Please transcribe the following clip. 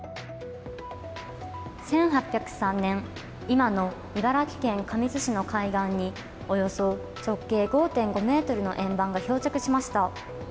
１８０３年今の茨城県神栖市の海岸におよそ直径５．５ｍの円盤が漂着しました。